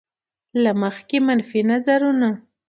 له مخکې منفي نظرونه.